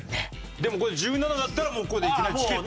でもこれ１７だったらもうこれでいきなりチケット。